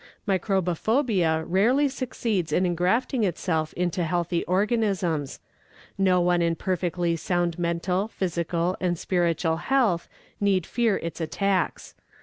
Microbophobia rarely succeeds in engrafting itself onto healthy organisms. No one in perfectly sound mental, physical, and spiritual health need fear its attacks.